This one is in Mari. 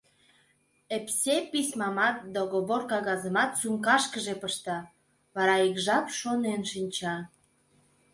Епсей письмамат, договор кагазымат сумкашкыже пышта, вара ик жап шонен шинча.